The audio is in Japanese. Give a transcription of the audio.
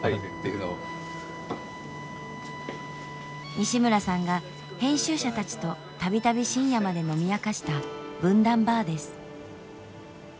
西村さんが編集者たちと度々深夜まで飲み明かした文壇バーです。